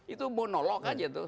itu monolog aja tuh